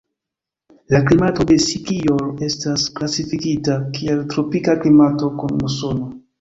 La klimato de Sikijor estas klasifikita kiel tropika klimato kun musono.